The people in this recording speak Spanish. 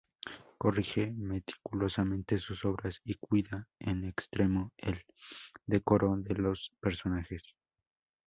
Corrige meticulosamente sus obras y cuida en extremo el decoro de los personajes.